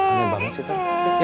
aneh banget sih terakhir